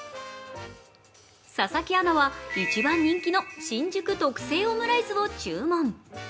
佐々木アナは一番人気の新宿特製オムライスを注文。